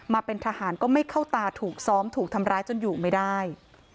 มาเป็นทหารก็ไม่เข้าตาถูกซ้อมถูกทำร้ายจนอยู่ไม่ได้